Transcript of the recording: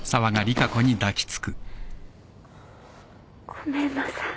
ごめんなさい。